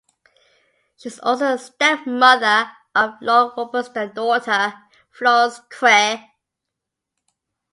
She is also the stepmother of Lord Worplesdon's daughter, Florence Craye.